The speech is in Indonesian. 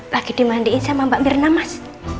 lagi dimandiin sama mbak mirna mas